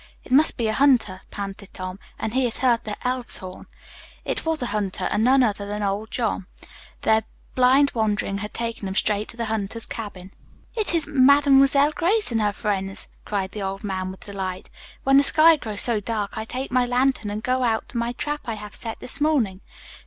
"It must be a hunter," panted Tom, "and he has heard the Elf's Horn." It was a hunter, and none other than old Jean. Their blind wandering had taken them straight to the hunter's cabin. "It is Mademoiselle Grace and her friends," cried the old man with delight. "When the sky grow so dark, I take my lantern and go out to my trap I have set this morning.